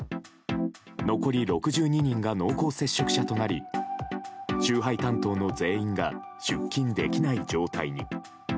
残り６２人が濃厚接触者となり集配担当の全員が出勤できない状態に。